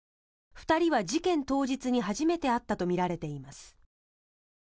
２人は事件当日に初めて会ったとみられています。